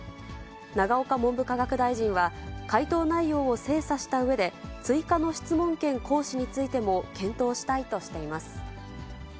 永岡文部科学大臣は、回答内容を精査したうえで、追加の質問権行使についても検討したいとしています。